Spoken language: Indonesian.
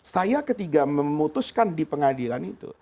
saya ketika memutuskan di pengadilan itu